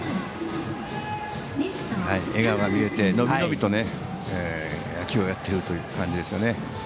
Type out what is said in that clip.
笑顔が見えて伸び伸びと野球をやっているという感じですよね。